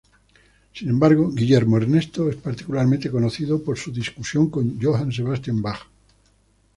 Sin embargo, Guillermo Ernesto es particularmente conocido por su discusión con Johann Sebastian Bach.